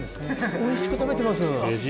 おいしく食べてます。